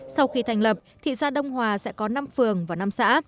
sau khi thành lập thị xã đông hòa sẽ có năm phường và năm xã